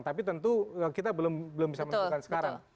tapi tentu kita belum bisa menentukan sekarang